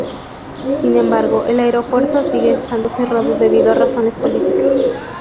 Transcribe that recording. Sin embargo, el aeropuerto sigue estando cerrado debido a razones políticas.